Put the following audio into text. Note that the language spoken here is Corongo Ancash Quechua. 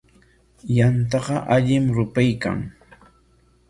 Yantataqa allim rupaykan.